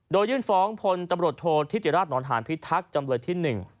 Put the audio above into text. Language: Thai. โดยยื่นฟองพลโทษธิตรราชนรวรษฐานพิทักษ์จำเลยที่๑